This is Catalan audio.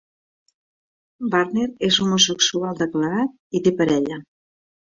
Varner és homosexual declarat i té parella.